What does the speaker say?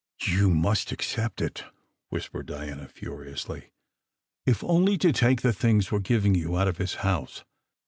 "You must accept it," whispered Diana furiously, "if only to take the things we re giving you out of his house.